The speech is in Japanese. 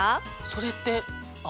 それって。